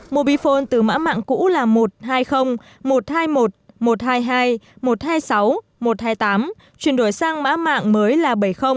mobiphone từ mã mạng cũ là một trăm hai mươi một trăm hai mươi một một trăm hai mươi hai một trăm hai mươi sáu một trăm hai mươi tám chuyển đổi sang mã mạng mới là bảy mươi bảy mươi chín bảy mươi bảy bảy mươi sáu bảy mươi tám